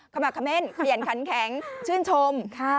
คำแบบคำเม้นเห็นคันแข็งชื่นชม